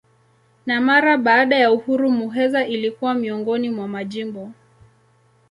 Na mara baada ya uhuru Muheza ilikuwa miongoni mwa majimbo.